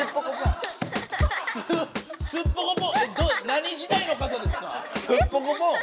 何時代の方ですか？